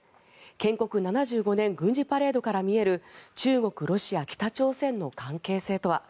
建国７５年軍事パレードから見える中国、ロシア、北朝鮮の関係性とは？